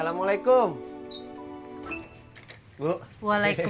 tadi saya akan menjawab begini